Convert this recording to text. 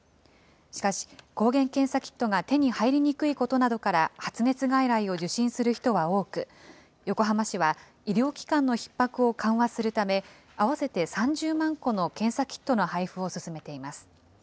しかし、抗原検査キットが手に入りにくいことなどから、発熱外来を受診する人は多く、横浜市は医療機関のひっ迫を緩和するため、合わせて３０万個の検査キットの配布を進めています。